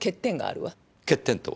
欠点とは？